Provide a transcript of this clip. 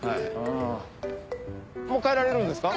もう帰られるんですか？